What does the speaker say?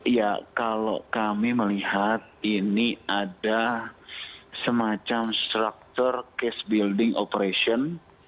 ya kalau kami melihat ini ada semacam structure case building operation